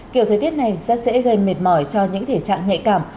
kiểu thời tiết này rất dễ gây mệt mỏi cho những thể trạng nhạy cảm